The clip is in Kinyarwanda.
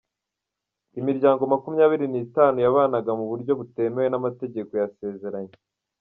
Imiryango makumyabiri n’itanu yabanaga mu buryo butemewe n’amategeko yasezeranye